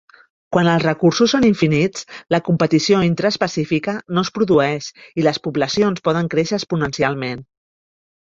Quan els recursos són infinits, la competició intraespecífica no es produeix i les poblacions poden créixer exponencialment.